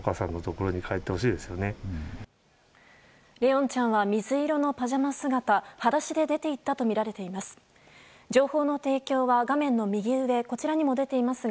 怜音ちゃんは水色のパジャマ姿裸足で出ていったとみられています。